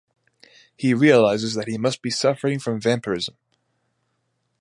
He realizes that he must be suffering from vampirism.